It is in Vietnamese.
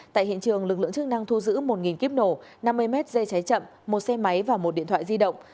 tại hiện trường lực lượng chức năng thu giữ một kiếp nổ năm mươi m dây trái chậm một xe máy và một điện thoại di động